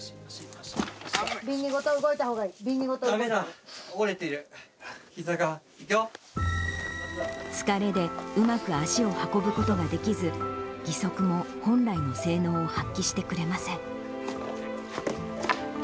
だめだ、疲れでうまく足を運ぶことができず、義足も本来の性能を発揮してくれません。